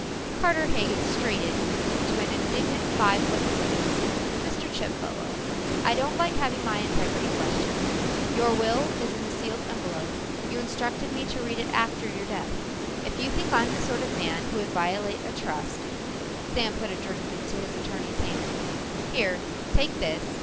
Carter Hagen straightened to an indignant five foot six. "Mr. Chipfellow, I don't like having my integrity questioned. Your will was in a sealed envelope. You instructed me to read it after your death. If you think I'm the sort of man who would violate a trust " Sam put a drink into his attorney's hand. "Here, take this.